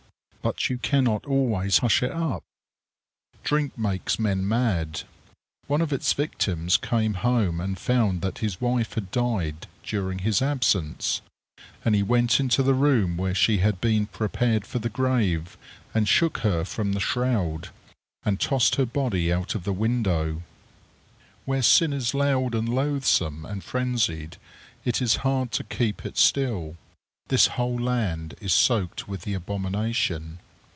But you cannot always hush it up. Drink makes men mad. One of its victims came home and found that his wife had died during his absence; and he went into the room where she had been prepared for the grave, and shook her from the shroud, and tossed her body out of the window. Where sin is loud and loathsome and frenzied, it is hard to keep it still. This whole land is soaked with the abomination.